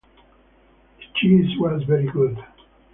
The cheese was very good.